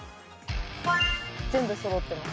全部そろってます。